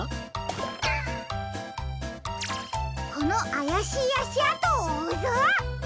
このあやしいあしあとをおうぞ！